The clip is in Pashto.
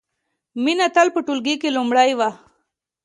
مینه تل په ټولګي کې لومړۍ وه